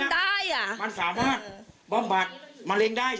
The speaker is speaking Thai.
ได้ค่ะ